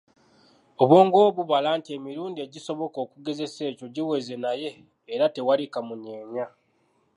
Obwongo bwo bubala nti emirundi egisoboka okugesesa ekyo giweze naye era tewali kamunyeeya.